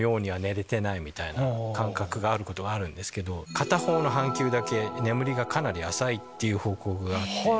片方の半球だけ眠りがかなり浅いって報告があって。